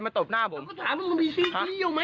มึงก็ถามมันมีสิทธิ์เยี่ยวไหม